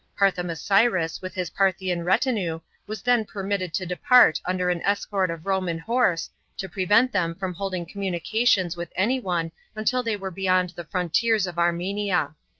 Parthomas ris, with his Paithian retinue, was then per mitted to depart under an esco: t of Roman horse, to prevent them from holding communications with anyone until ihey were beyond the frontiers of Armenia.